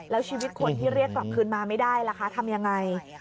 แล้วชีวิตคนที่เรียกกลับคืนมาไม่ได้ล่ะคะทำยังไง